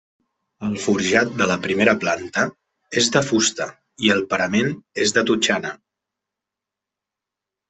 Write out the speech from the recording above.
El forjat de la primera planta és de fusta i el parament és de totxana.